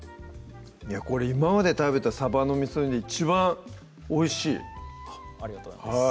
いやこれ今まで食べたさばの味煮で一番おいしいありがとうございます